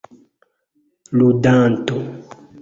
ludanto